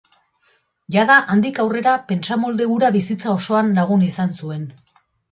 Jada, handik aurrera pentsamolde hura bizitza osoan lagun izan zuen.